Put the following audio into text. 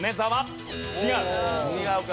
違う。